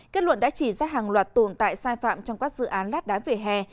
kết luận đã chỉ ra hàng loạt tồn tại sai phạm trong các dự án lát đá về hè